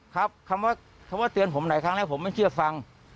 ครับคำว่าคำว่าเตือนผมหลายครั้งแล้วผมไม่เชื่อฟัง